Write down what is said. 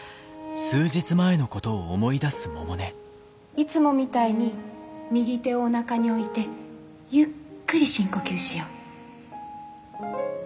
いつもみたいに右手をおなかに置いてゆっくり深呼吸しよ。